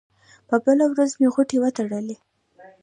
په بله ورځ مې غوټې وتړلې.